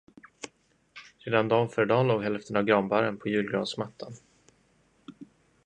Redan dan före dan låg hälften av granbarren på julgransmattan.